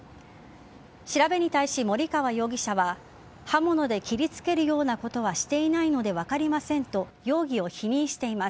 調べに対し、森川容疑者は刃物で切りつけるようなことはしていないので分かりませんと容疑を否認しています。